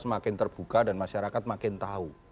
semakin terbuka dan masyarakat makin tahu